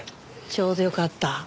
ちょうどよかった。